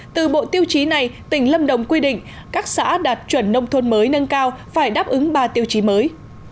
từ bộ tiêu chí này tỉnh lâm đồng quy định các xã đạt chuẩn nông thôn mới nâng cao phải đáp ứng ba tiêu chí mới